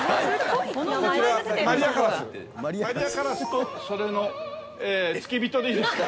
こちらマリア・カラスマリア・カラスとそれの付き人でいいですか？